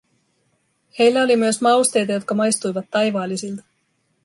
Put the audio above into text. Heillä oli myös mausteita, jotka maistuivat taivaallisilta.